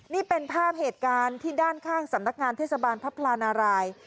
นี่เป็นภาพเหตุการณ์ที่ด้านข้างสำนักงานเทศบาลพระพลานาราย